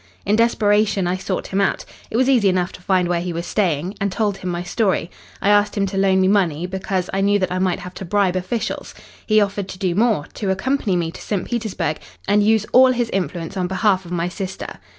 "In desperation I sought him out it was easy enough to find where he was staying and told him my story. I asked him to loan me money, because I knew that I might have to bribe officials. He offered to do more to accompany me to St. Petersburg and use all his influence on behalf of my sister.